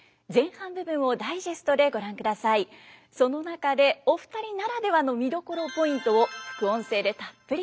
その中でお二人ならではの見どころポイントを副音声でたっぷりと語っていただきます。